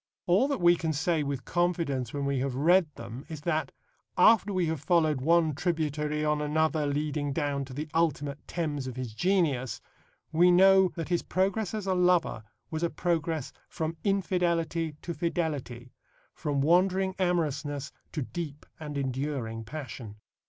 All that we can say with confidence when we have read them is that, after we have followed one tributary on another leading down to the ultimate Thames of his genius, we know that his progress as a lover was a progress from infidelity to fidelity, from wandering amorousness to deep and enduring passion.